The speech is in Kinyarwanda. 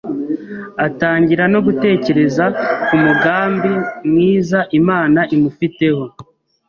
atangira no gutekereza ku mugambi mwiza Imana imufiteho